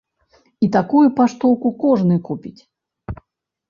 І такую паштоўку кожны купіць.